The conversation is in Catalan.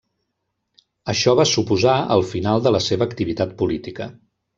Això va suposar el final de la seva activitat política.